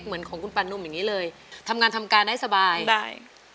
เหมือนของคุณปานุ่มอย่างนี้เลยทำงานทำการให้สบายได้